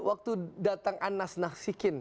waktu datang anas nasikin